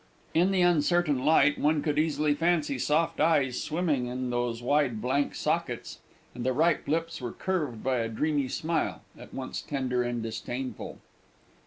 In the uncertain light one could easily fancy soft eyes swimming in those wide blank sockets, and the ripe lips were curved by a dreamy smile, at once tender and disdainful.